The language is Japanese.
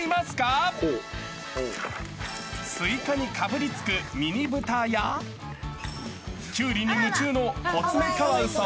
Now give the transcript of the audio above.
［スイカにかぶりつくミニブタやキュウリに夢中の］